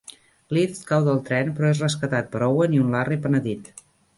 Lift cau del tren però és rescatat per Owen i un Larry penedit.